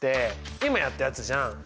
今やったやつじゃん。